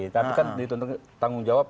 tapi kan dituntut tanggung jawab